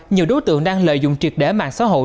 nhiều đối tượng đang lợi dụng triệt để mạng xã hội